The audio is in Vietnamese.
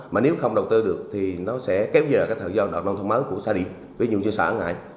mà nếu không đầu tư được thì nó sẽ kéo dài thời gian đợt nông thôn mới của xã địa ví dụ như xã ngãi